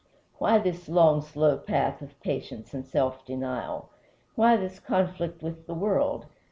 Why this long, slow path of patience and self denial? Why this conflict with the world?